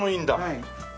はい。